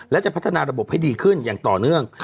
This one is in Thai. และจะพัฒนาระบบให้ดีขึ้นอย่างต่อเนื่อง